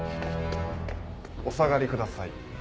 お下がりください。